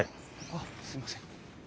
あっすいません。